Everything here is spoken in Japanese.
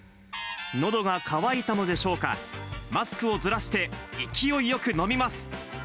のどが渇いたのでしょうか、マスクをずらして、勢いよく飲みます。